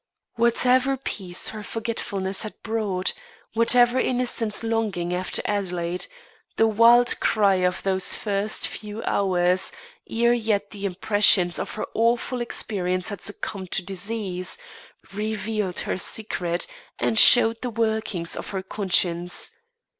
Whatever peace her forgetfulness had brought whatever innocent longing after Adelaide the wild cry of those first few hours, ere yet the impressions of her awful experience had succumbed to disease, revealed her secret and showed the workings of her conscience.